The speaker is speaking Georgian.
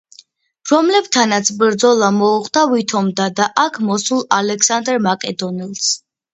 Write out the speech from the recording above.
რომლებთანაც ბრძოლა მოუხდა ვითომდა აქ მოსულ ალექსანდრე მაკედონელს.